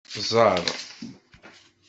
Ẓer.